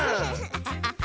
アハハハ！